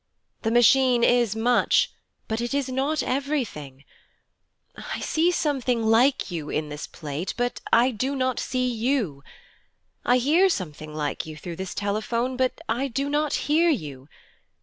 The Machine is much, but it is not everything. I see something like you in this plate, but I do not see you. I hear something like you through this telephone, but I do not hear you.